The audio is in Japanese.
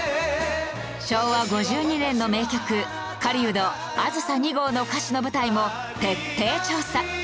昭和５２年の名曲狩人『あずさ２号』の歌詞の舞台も徹底調査！